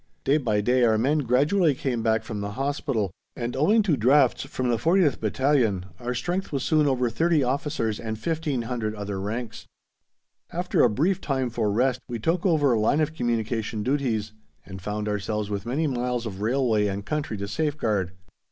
Day by day our men gradually came back from Hospital and, owing to drafts from the 40th Battalion, our strength was soon over 30 officers and 1,500 other ranks. After a brief time for rest, we took over "Line of Communication" duties, and found ourselves with many miles of railway and country to safeguard.